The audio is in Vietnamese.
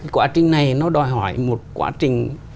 quá trình này nó đòi hỏi một quá trình